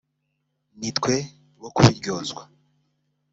nitwe bo kubiryozwa